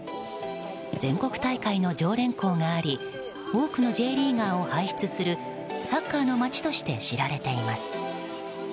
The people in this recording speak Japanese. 全国大会の常連校があり多くのＪリーガーを輩出するサッカーの町として知られています。